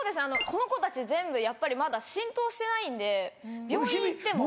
この子たち全部やっぱりまだ浸透してないんで病院行っても。